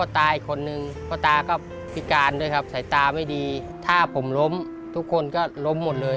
ถ้าผมล้มทุกคนก็ล้มหมดเลย